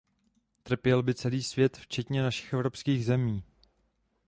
Trpěl by celý svět včetně našich evropských zemí.